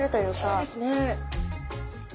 そうですね。